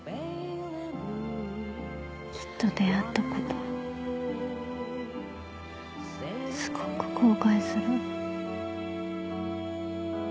きっと出会ったことすごく後悔する。